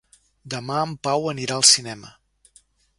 Demà en Pau anirà al cinema.